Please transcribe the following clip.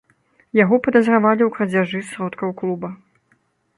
Яго падазравалі ў крадзяжы сродкаў клуба.